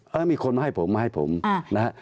มันมีคนเค้ามาให้ผมมาให้ผมนะฮะ